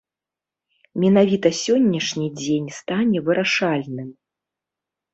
Менавіта сённяшні дзень стане вырашальным.